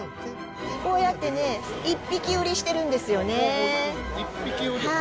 こうやってね、１匹売りしてるんですよね。